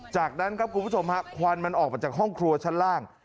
จากนั้นครับคุณผู้ชมฮะควันมันออกมาจากห้องครัวชั้นล่าง